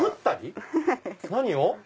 何を？